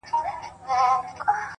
• دا به څوک وي چي بلبل بولي ښاغلی,